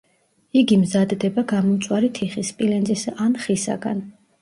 იგი მზადდება გამომწვარი თიხის, სპილენძისა ან ხისაგან.